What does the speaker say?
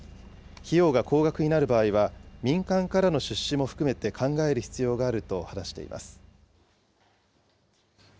費用が高額になる場合は、民間からの出資も含めて考える必要があると話しています。